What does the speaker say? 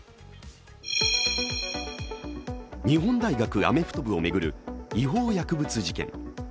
日本大学アメフト部を巡る違法薬物事件。